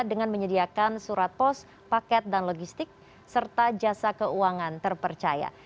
dengan menyediakan surat pos paket dan logistik serta jasa keuangan terpercaya